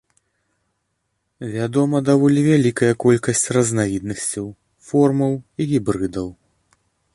Вядома даволі вялікая колькасць разнавіднасцяў, формаў і гібрыдаў.